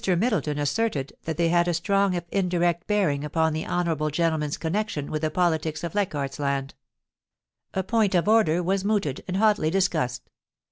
Middleton asserted that they had a strong if indirect bearing upon the honourable gentleman's connection with the politics of Leichardfs I^and. A point of order was mooted and hotly discussed.